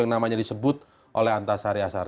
yang namanya disebut oleh antasari asar